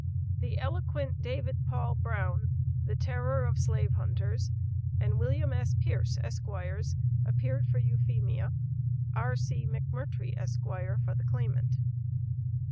The eloquent David Paul Brown (the terror of slave hunters) and William S. Pierce, Esqrs., appeared for Euphemia, R.C. McMurtrie, Esq., for the claimant.